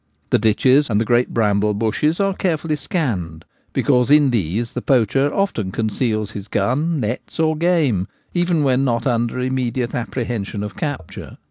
The ditches and the great bramble bushes are carefully scanned, because in these the poacher often conceals his gun, nets, or game, even when not under immediate apprehension of capture.